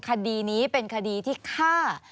คดีนี้เป็นคดีที่ฆ่า